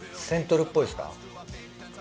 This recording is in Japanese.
セントルっぽいすか？